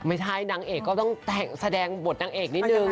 ไม่ใช่นางเอกก็ต้องแสดงบทนางเอกนิดนึง